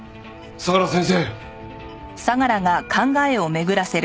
相良先生！